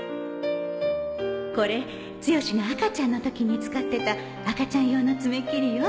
これつよしが赤ちゃんのときに使ってた赤ちゃん用の爪切りよ